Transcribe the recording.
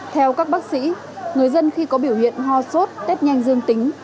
theo các bác sĩ người dân khi có biểu hiện ho sốt test nhanh dương tính